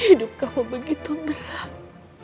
hidup kamu begitu mahal ituancyah